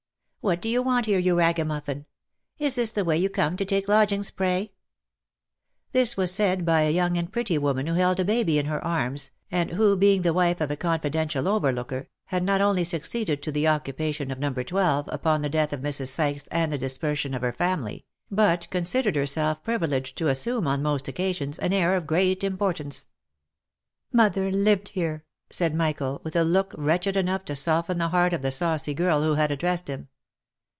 "What do you want here, you ragamuffin ? Is this the way you come to take lodgings, pray V This was said by a young and pretty woman who held a baby in her arms, and who being the wife of a confidential overlooker, had not only succeeded to the occupation of No. 12, upon the death of Mrs. Sykes and the dispersion of her family, but considered herself privi leged to assume, on most occasions, an air of great importance. " Mother lived here !" said Michael, with a look wretched enough to soften the heart of the saucy girl who had addressed him.